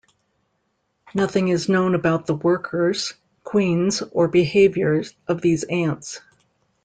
Nothing is known about the workers, queens, or behavior of these ants.